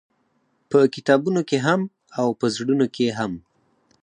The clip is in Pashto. په کتابونو کښې هم او په زړونو کښې هم-